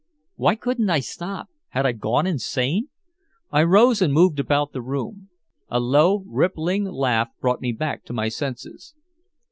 Why couldn't I stop? Had I gone insane? I rose and moved about the room. A low rippling laugh brought me back to my senses.